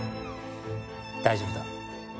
大丈夫だ。